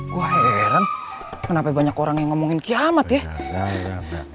gue heran kenapa banyak orang yang ngomongin kiamat ya